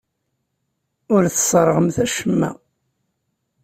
Ur tesserɣemt acemma.